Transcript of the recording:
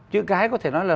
chữ cái có thể nói là